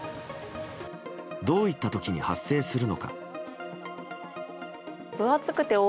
どういった時に発生するのか。